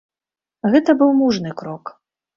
Гэта быў мужны крок.